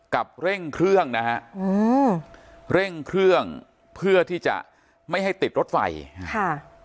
กับเร่งเครื่องนะฮะอืมเร่งเครื่องเพื่อที่จะไม่ให้ติดรถไฟค่ะ